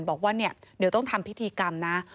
บอกว่าเนี่ยเดี๋ยวต้องทำพิธีกรรมนะ